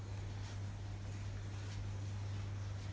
กลับมาร้อยเท้า